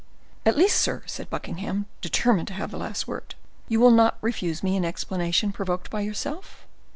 "At least, sir," said Buckingham, determined to have the last word, "you will not refuse me an explanation provoked by yourself."